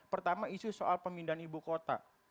pertama isu soal pemindahan ibu kota